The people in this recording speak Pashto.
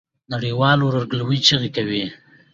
نړۍ والي ورورګلوی چیغه کوي.